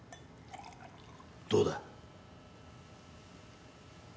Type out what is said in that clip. どうだ？